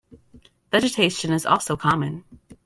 Vegetation is also common.